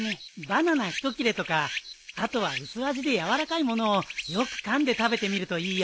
バナナ一切れとかあとは薄味でやわらかいものをよくかんで食べてみるといいよ。